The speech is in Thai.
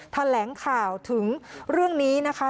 แถลงข่าวถึงเรื่องนี้นะคะ